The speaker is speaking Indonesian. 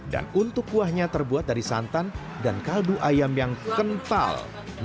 dan untuk kuahnya terbuat dari santan dan kaldu ayam yang kental